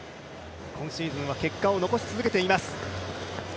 今シーズンは結果を残し続けています。